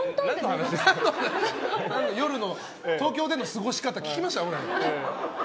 夜の東京での過ごし方を僕ら聞きました？